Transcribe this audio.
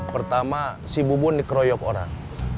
pertama si bubun dikeroyok orang